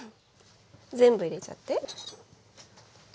全部入れちゃって。